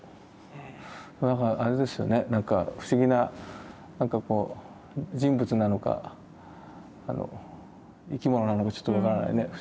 なんかあれですよねなんか不思議ななんかこう人物なのか生き物なのかちょっと分からないね不思議な。